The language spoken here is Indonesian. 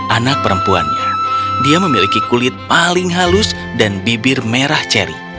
anak perempuannya dia memiliki kulit paling halus dan bibir merah ceri